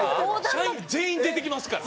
社員全員出てきますから。